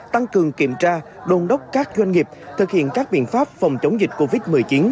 tăng cường kiểm tra đôn đốc các doanh nghiệp thực hiện các biện pháp phòng chống dịch covid một mươi chín